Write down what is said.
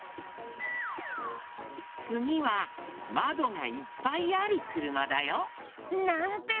つぎはまどがいっぱいあるくるまだよ。なんて